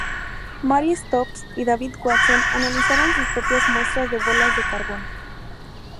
Marie Stopes y David Watson analizaron sus propias muestras de bolas de carbón.